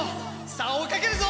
さあおいかけるぞ！